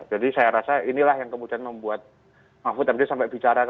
jadi saya rasa inilah yang kemudian membuat mahfudzah sampai bicara